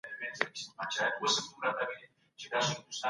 تاسو به د خپل ژوند هره برخه منظمه کوئ.